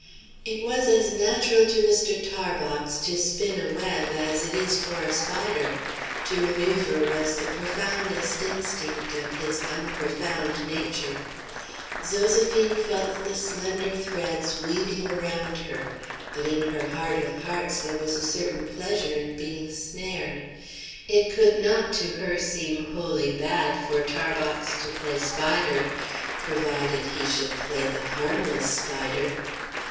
It was as natural to Mr. Tarbox to spin a web as it is for a spider. To manoeuvre was the profoundest instinct of his unprofound nature. Zoséphine felt the slender threads weaving around her. But in her heart of hearts there was a certain pleasure in being snared. It could not, to her, seem wholly bad for Tarbox to play spider, provided he should play the harmless spider.